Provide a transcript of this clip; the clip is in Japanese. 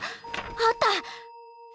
あった！